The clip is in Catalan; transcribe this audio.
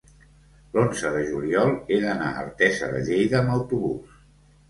l'onze de juliol he d'anar a Artesa de Lleida amb autobús.